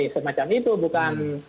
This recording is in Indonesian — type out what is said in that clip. semacam itu bukan